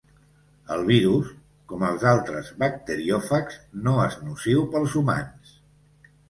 El virus, com els altres bacteriòfags, no és nociu pels humans.